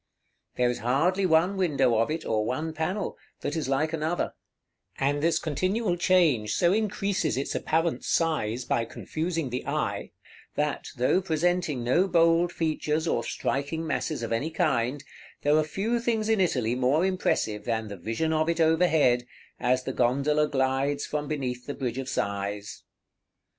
There is hardly one window of it, or one panel, that is like another; and this continual change so increases its apparent size by confusing the eye, that, though presenting no bold features, or striking masses of any kind, there are few things in Italy more impressive than the vision of it overhead, as the gondola glides from beneath the Bridge of Sighs.